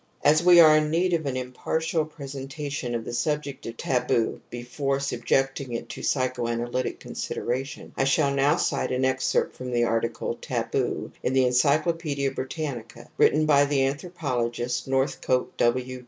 As we are in need of an impartial presentation of the subject of taboo before subjecting it to psychoanalytic consideration I shall now cite an excerpt from the article Taboo in the En cyclopedia Britannica written by the anthro pologist Northcote W.